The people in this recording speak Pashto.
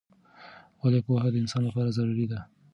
ولې پوهه د انسان لپاره ضروری ده؟